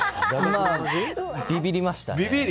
ビビりましたね。